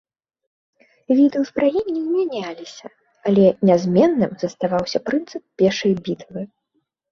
Віды ўзбраенняў мяняліся, але нязменным заставаўся прынцып пешай бітвы.